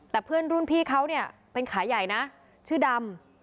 แต่เพื่อนรุ่นพี่เขาเนี่ยเป็นขาใหญ่นะชื่อดำ